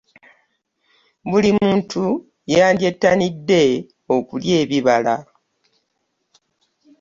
Buli muntu yandyetanidde okulya ebibala.